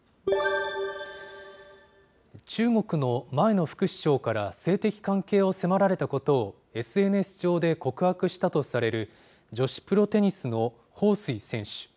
中国の前の副首相から性的関係を迫られたことをＳＮＳ上で告白したとされる女子プロテニスの彭帥選手。